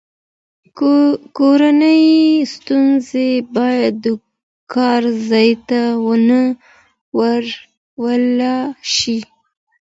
کورنۍ ستونزې باید د کار ځای ته ونه وړل شي.